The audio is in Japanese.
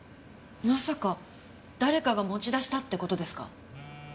まさか誰かが持ち出したって事ですか？